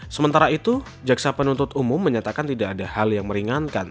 sementara itu jaksa penuntut umum menyatakan tidak ada hal yang meringankan